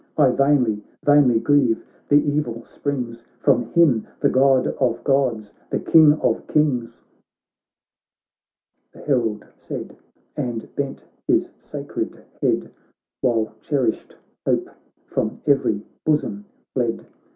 I vainly, vainly grieve, the evil springs From him — the God of Gods, the King of Kings !' The Herald said, and bent his sacred head, While cherished hope from every bosom fled.